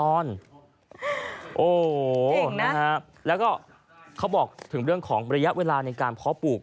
โอ้โหนะฮะแล้วก็เขาบอกถึงเรื่องของระยะเวลาในการเพาะปลูก